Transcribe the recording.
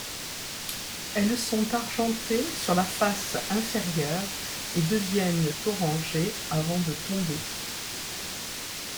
Elles sont argentées sur la face inférieure et deviennent orangées avant de tomber.